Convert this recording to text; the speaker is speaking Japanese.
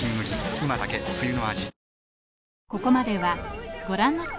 今だけ冬の味